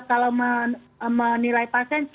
kalau menilai pasien